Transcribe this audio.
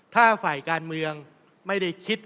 ถ้าฝ่ายการเมืองไม่ได้คิด